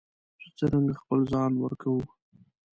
چې څرنګه خپل ځان ورکوو.